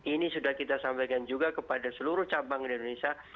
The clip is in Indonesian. ini sudah kita sampaikan juga kepada seluruh cabang di indonesia